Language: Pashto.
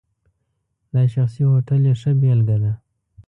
دا شخصي هوټل یې ښه بېلګه ده.